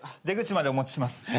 出口までお持ちします。